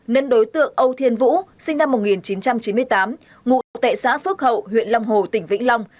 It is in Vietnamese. nên đối tượng âu thiên vũ sinh năm một nghìn chín trăm chín mươi tám ngụ tệ xã phước hậu huyện long hồ tỉnh vĩnh long